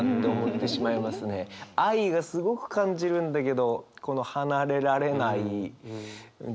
愛がすごく感じるんだけどこの離れられないところ。